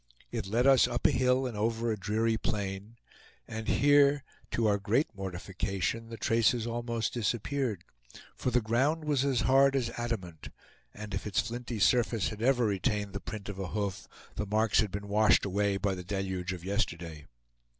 It led us up a hill and over a dreary plain; and here, to our great mortification, the traces almost disappeared, for the ground was hard as adamant; and if its flinty surface had ever retained the print of a hoof, the marks had been washed away by the deluge of yesterday.